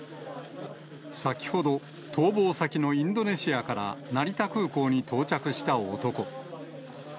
先ほど、逃亡先のインドネシアから成田空港に到着した男。